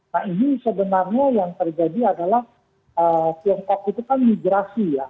nah ini sebenarnya yang terjadi adalah tiongkok itu kan migrasi ya